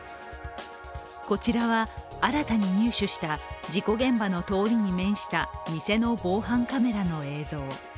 こちらは新たに入手した事故現場の通りに面した店の防犯カメラの映像。